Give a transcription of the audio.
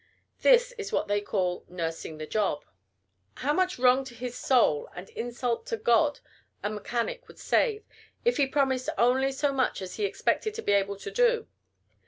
This is what they call "nursing" the job. How much wrong to his soul and insult to God a mechanic would save, if he promised only so much as he expected to be able to do.